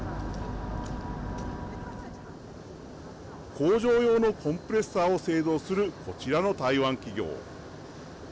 工場用のコンプレッサーを製造するこちらの台湾企業。